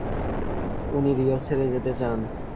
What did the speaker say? উনি রিও ছেড়ে যেতে চান?